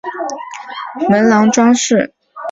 建筑两端的正面都用壮丽的带栏杆的门廊装饰。